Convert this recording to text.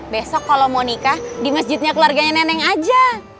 besok kalau mau nikah di masjidnya keluarganya neneng aja